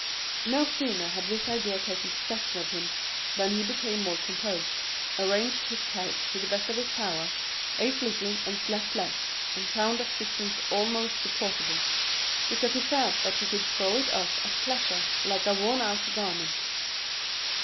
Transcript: No sooner had this idea taken possession of him than he became more composed, arranged his couch to the best of his power, ate little and slept less, and found existence almost supportable, because he felt that he could throw it off at pleasure, like a worn out garment.